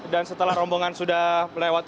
dan setelah rombongan sudah melewati